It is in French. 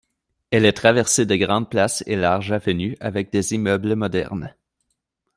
Elle est traversée de grandes places et larges avenues avec des immeubles modernes.